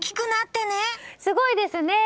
すごいですね。